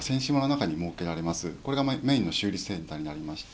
これがメインの修理センターになりまして。